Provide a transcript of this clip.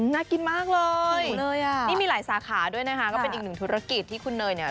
น่ากินมากเลยอ่ะนี่มีหลายสาขาด้วยนะคะก็เป็นอีกหนึ่งธุรกิจที่คุณเนยเนี่ย